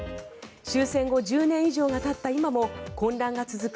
終戦後１０年以上がたった今も混乱が続く